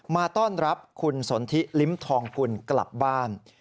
มาต้อนรับคุณสนทิลิ้มทองกุลกลับบ้าน